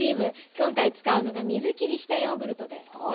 今回使うのが水きりしたヨーグルトです。